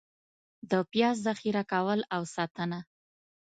د پیاز ذخېره کول او ساتنه: